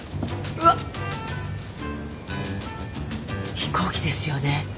うわ飛行機ですよね？